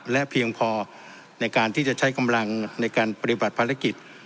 และเพียงพอในการที่จะใช้กำลังในการปฏิบัติภารกิจ